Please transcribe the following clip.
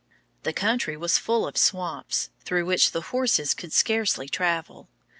The country was full of swamps, through which the horses could scarcely travel.